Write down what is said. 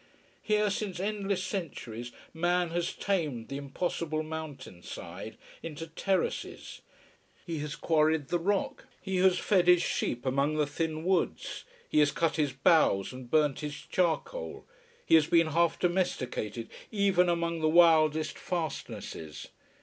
Here since endless centuries man has tamed the impossible mountain side into terraces, he has quarried the rock, he has fed his sheep among the thin woods, he has cut his boughs and burnt his charcoal, he has been half domesticated even among the wildest fastnesses.